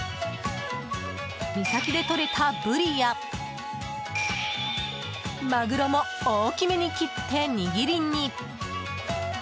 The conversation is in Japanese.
三崎でとれたブリやマグロも大きめに切って、握りに。